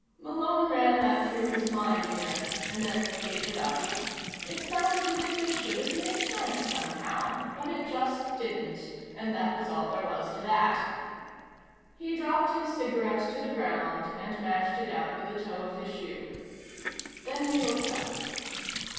Malone ran that through his mind again, and then gave it up. It sounded as if it should have made sense, somehow, but it just didn't, and that was all there was to that. He dropped his cigarette to the ground and mashed it out with the toe of his shoe. Then he looked up.